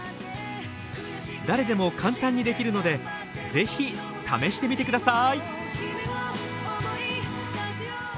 誰でも簡単にできるので是非試してみて下さい！